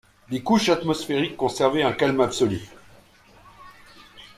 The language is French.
Les couches atmosphériques conservaient un calme absolu.